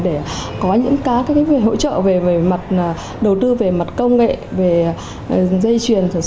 để có những các hỗ trợ về đầu tư về mặt công nghệ về dây truyền